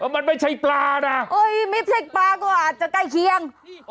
มันไม่ใช่ปลานะไม่ใช่ปลาก็อาจจะใกล้เคียง